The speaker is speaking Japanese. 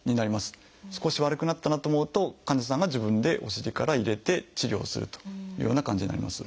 少し悪くなったなと思うと患者さんが自分でお尻から入れて治療をするというような感じになります。